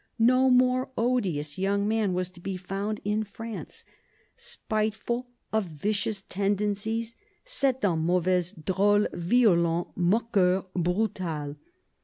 No more odious young fellow was to be found in France. Spiteful, of vicious tendencies, "c'est un mauvais drOle, violent, moqueur, brutal."